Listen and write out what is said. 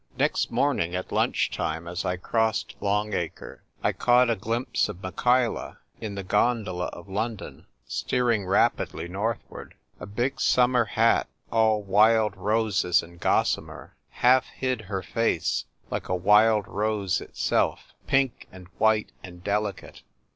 Next morning at lunch time, as I crossed Long Acre, I caught a glimpse of Michaela, in the gondola of London, steering rapidly northward. A big summer hat, all wild roses and gossamer, half hid her face, like a wuld rose itself, pink and white and delicate.